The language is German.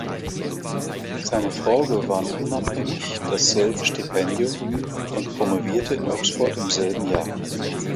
Seine Frau gewann unabhängig dasselbe Stipendium und promovierte in Oxford im selben Jahr.